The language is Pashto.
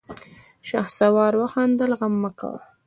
شهسوار وخندل: غم مه کوه!